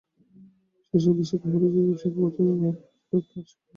সেসব দেশের গ্রাহকেরা যেসব সেবা পাচ্ছেন, বাংলাদেশের গ্রাহকেরাও তার সবই পাবেন।